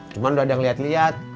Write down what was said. cuman udah ada yang liat liat